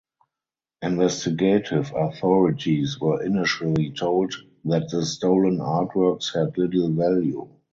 Investigative authorities were initially told that the stolen artworks had little value.